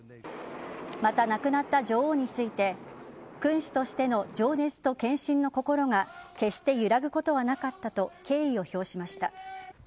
また亡くなった女王について君主としての情熱と献身の心が決して揺らぐことはなかったと敬意を表しました。